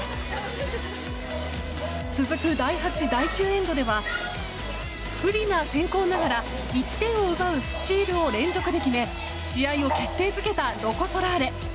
続く第８、第９エンドでは不利な先攻ながら１点を奪うスチールを連続で決め試合を決定づけたロコ・ソラーレ。